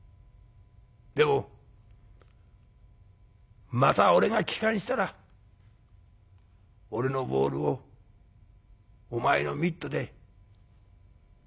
でもまた俺が帰還したら俺のボールをお前のミットで受け止めてほしい。